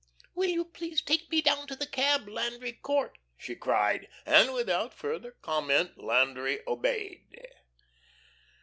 "Will you please take me down to the cab, Landry Court?" she cried. And without further comment Landry obeyed.